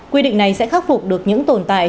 quy định này sẽ khắc phục được những tồn tại